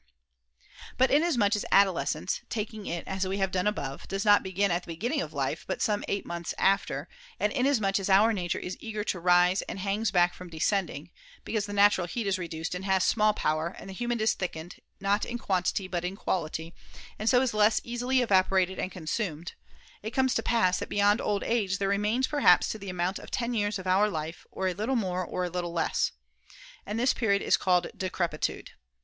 XXIV. THE FOURTH TREATISE 349 But inasmuch as adolescence (taking it as we Decrepi have done above) does not begin at the begin ^"^^ ning of life, but some eight months after, and inasmuch as our nature is eager to rise and hangs back from descending (because the natural heat is reduced and has small power, and the humid is thickened, not in quantity but in quality, and so is less easily evaporated and consumed) it comes to pass that beyond old age there remains perhaps to the amount of ten years of our life, or a little more or a little less. And this period is called decrepitude.